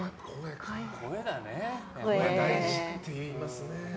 声、大事って言いますね。